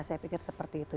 saya pikir seperti itu